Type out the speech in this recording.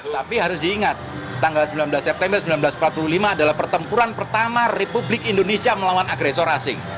tapi harus diingat tanggal sembilan belas september seribu sembilan ratus empat puluh lima adalah pertempuran pertama republik indonesia melawan agresor asing